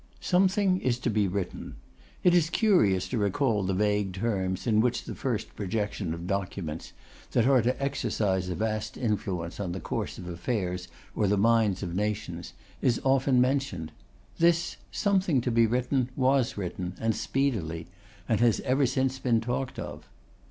'Something is to be written.' It is curious to recall the vague terms in which the first projection of documents, that are to exercise a vast influence on the course of affairs or the minds of nations, is often mentioned. This 'something to be written' was written; and speedily; and has ever since been talked of.